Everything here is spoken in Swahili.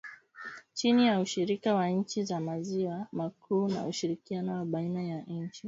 chini ya ushirika wa nchi za maziwa makuu na ushirikiano wa baina ya nchi